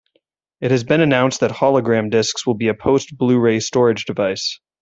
It has been announced that hologram disks will be a post-Blu-ray storage device.